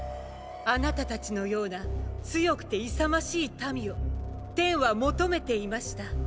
あなた達のような強くて勇ましい民を天は求めていました。